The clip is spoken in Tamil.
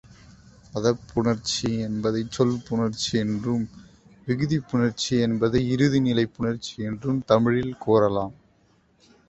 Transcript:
பதப் புணர்ச்சி என்பதைச் சொல் புணர்ச்சி என்றும், விகுதிப் புணர்ச்சி என்பதை இறுதிநிலைப் புணர்ச்சி என்றும் தமிழில் கூறலாம்.